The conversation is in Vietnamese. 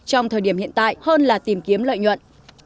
trong thời điểm hiện tại hơn là tìm kiếm lợi nhuận